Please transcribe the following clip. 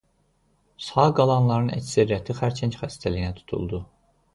Sağ qalanların əksəriyyəti xərçəng xəstəliyinə tutuldu.